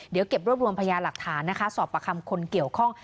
เดี๋ยวเก็บรวบรวมพยาหลักฐานนะคะสอบประคำคนเกี่ยวข้อง